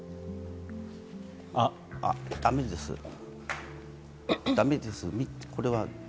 あ、あ、だめですだめです。